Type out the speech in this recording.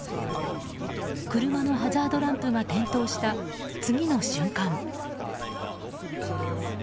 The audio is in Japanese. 車のハザードランプが点灯した次の瞬間。